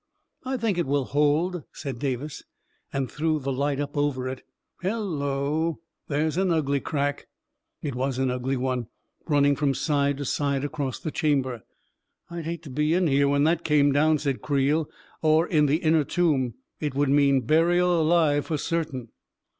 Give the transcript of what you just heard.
" I think it will hold," said Davis, and threw the light up over it. " Hello 1 There's an ugly crack !" It was an ugly one, running from side to side across the chamber. " I'd hate to be in here when that came down," said Creel ;" or in the inner tomb. It would mean burial alive for certain